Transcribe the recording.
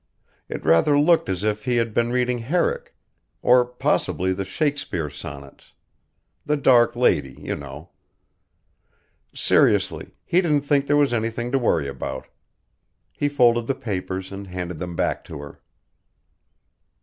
It rather looked as if he had been reading Herrick, or possibly the Shakespeare sonnets ... the dark lady, you know. Seriously, he didn't think there was anything to worry about. He folded the papers and handed them back to her.